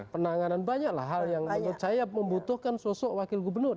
penanganan banyaklah hal yang menurut saya membutuhkan sosok wakil gubernur